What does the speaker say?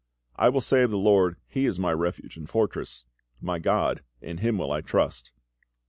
I will say of the LORD, He is my refuge and my fortress: My GOD; in Him will I trust.